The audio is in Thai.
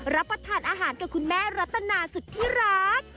รับประทานอาหารกับคุณแม่รัตนาสุดที่รัก